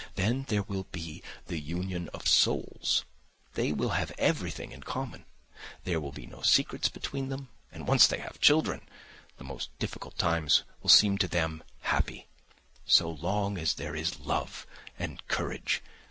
Then there will be the union of souls, they will have everything in common, there will be no secrets between them. And once they have children, the most difficult times will seem to them happy, so long as there is love and courage.